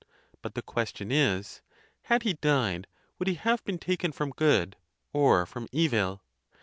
But the question is, had he died, would he have been taken from good, or from evil?